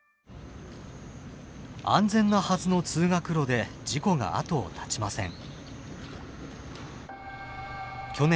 安全なはずの「通学路」で事故が後を絶ちません。